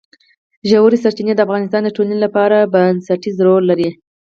ژورې سرچینې د افغانستان د ټولنې لپاره بنسټيز رول لري.